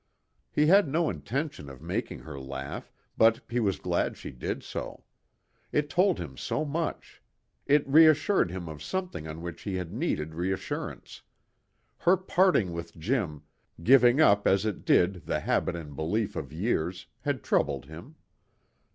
He had no intention of making her laugh, but he was glad she did so. It told him so much. It reassured him of something on which he had needed reassurance. Her parting with Jim, giving up as it did the habit and belief of years, had troubled him.